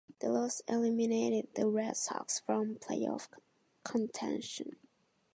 The loss eliminated the Red Sox from playoff contention.